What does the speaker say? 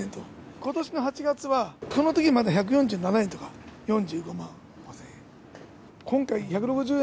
ことしの８月は、このときまだ１４７円とか、４５万８０００円。